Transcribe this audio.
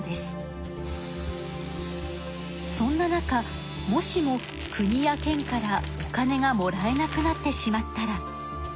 そんな中もしも国や県からお金がもらえなくなってしまったら。